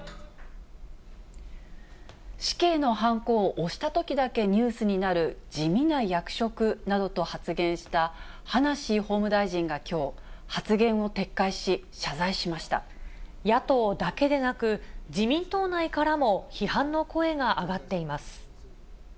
死刑のはんこを押したときだけニュースになる地味な役職などと発言した葉梨法務大臣がきょう、野党だけでなく、自民党内からも批判の声が上がっています。